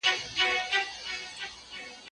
له یوه کونجه تر بله پوري تلله